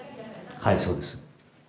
はい、そうです。